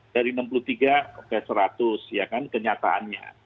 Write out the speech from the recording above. dari enam puluh tiga ke seratus ya kan kenyataannya